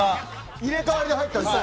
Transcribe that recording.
入れ替わりで入ったんですよ。